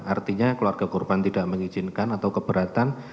artinya keluarga korban tidak mengizinkan atau keberatan